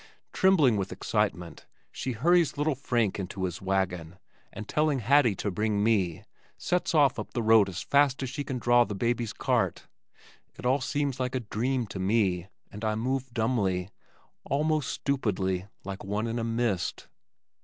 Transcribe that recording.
Trembling with excitement she hurries little Frank into his wagon and telling Hattie to bring me, sets off up the road as fast as she can draw the baby's cart. It all seems a dream to me and I move dumbly, almost stupidly like one in a mist....